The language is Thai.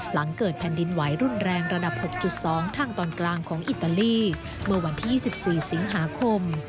หลังเกิดแผ่นดินไหวรุนแรงระดับ๖๒ทางตอนกลางของอิตาลีเมื่อวันที่๒๔สิงหาคม